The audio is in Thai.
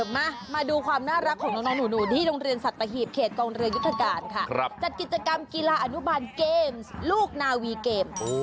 จัดกิจกรรมกีฬาอนุบาลเกมส์ลูกนาวีเกมส์